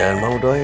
jangan mau doi